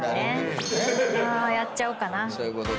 やっちゃおうかな。